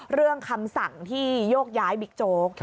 คำสั่งที่โยกย้ายบิ๊กโจ๊ก